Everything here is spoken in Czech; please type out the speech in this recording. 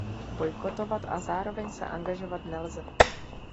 Bojkotovat a zároveň se angažovat nelze.